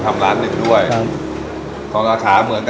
สาขาเดียวอยู่